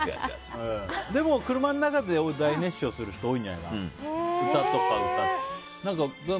でも車の中で大熱唱する人多いんじゃないんですかね。